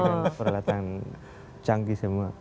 itu kan peralatan canggih semua